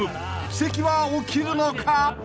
［奇跡は起きるのか！？］